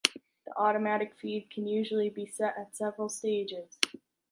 The automatic feed can usually be set in several stages.